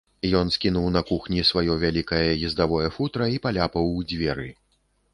Ён скінуў на кухні сваё вялікае ездавое футра і паляпаў у дзверы.